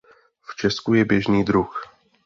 V Česku je běžný druh.